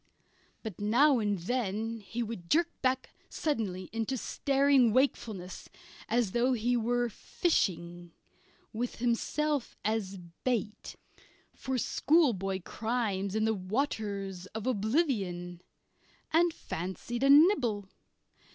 But now and then he would jerk back suddenly into staring wakefulness as though he were fishing with himself as bait for schoolboy crimes in the waters of oblivion and fancied a nibble.